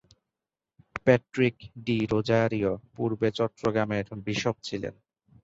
Patrick D'Rozario পূর্বে চট্টগ্রামের bishop ছিলেন।